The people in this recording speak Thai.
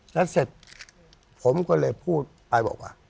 แล้วเสร็จผมก็เลยพูดไปบอกว่า